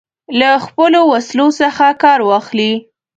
له خپلو وسلو څخه کار واخلي.